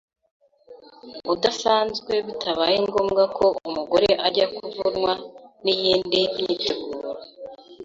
udasanzwe bitabaye ngombwa ko umugore ajya kuvunwa n’iyindi myiteguro.